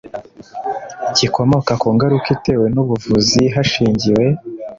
gikomoka ku ngaruka itewe n ubuvuzi hashingiwe